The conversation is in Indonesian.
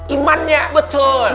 iman dan ketakwaannya